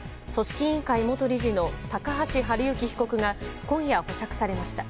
委員会元理事の高橋治之被告が今夜、保釈されました。